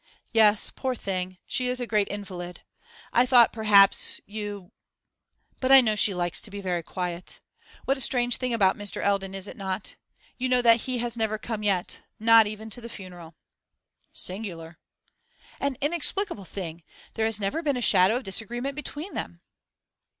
'Yes, poor thing, she is a great invalid. I thought, perhaps, you . But I know she likes to be very quiet. What a strange thing about Mr. Eldon, is it not? You know that he has never come yet; not even to the funeral.' 'Singular!' 'An inexplicable thing! There has never been a shadow of disagreement between them.